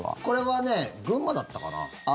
これは群馬だったかな？